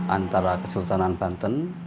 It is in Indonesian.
antara kesultanan banten